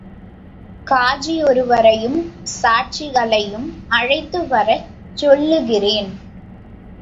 காஜீயொருவரையும் சாட்சிகளையும் அழைத்து வரச் சொல்லுகிறேன்.